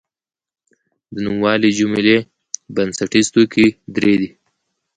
د نوموالي جملې بنسټیز توکي درې دي.